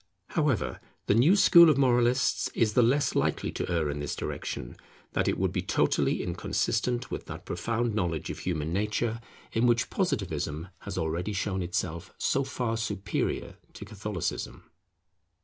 However, the new school of moralists is the less likely to err in this direction, that it would be totally inconsistent with that profound knowledge of human nature in which Positivism has already shown itself so far superior to Catholicism.